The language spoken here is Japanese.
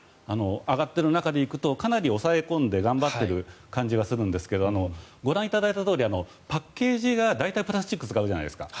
上がっている中で行くとかなり抑え込んで頑張っている感じがするんですがご覧いただいたとおりパッケージが大体、プラスチックを使うじゃないですか。